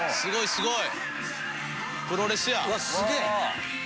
すごい。